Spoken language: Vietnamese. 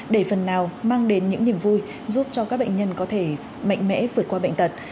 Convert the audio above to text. để phần nào mang đến những niềm vui giúp cho các bệnh nhân có thể mạnh mẽ vượt qua bệnh tật